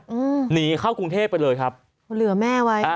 อืมหนีเข้ากรุงเทพไปเลยครับเหลือแม่ไว้อ่า